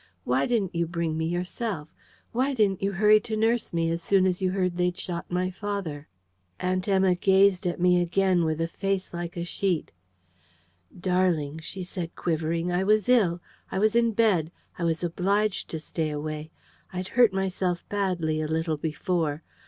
Why didn't you bring me yourself? Why didn't you hurry to nurse me as soon as you heard they'd shot my father?" Aunt Emma gazed at me again with a face like a sheet. "Darling," she said, quivering, "I was ill. I was in bed. I was obliged to stay away. I'd hurt myself badly a little before....